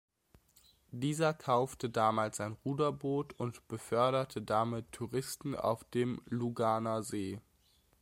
Dieser kaufte damals ein Ruderboot und beförderte damit Touristen auf dem Luganersee.